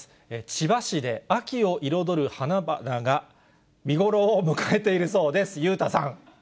千葉市で、秋を彩る花々が見頃を迎えているそうです。